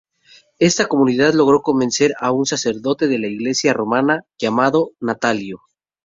Esa comunidad logró convencer a un sacerdote de la iglesia romana, llamado Natalio.